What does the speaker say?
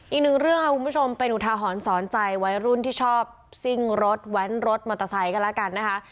อีกหนึ่งเรื่องค่ะคุณผู้ชมเป็นอุทาหรณ์สอนใจวัยรุ่นที่ชอบซิ่งรถแว้นรถมอเตอร์ไซค์ก็แล้วกันนะคะ